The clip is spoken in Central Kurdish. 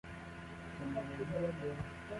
هەڵیان کێشا و بەرەو ژووریان برد تا لە بەر چاوم ون بوو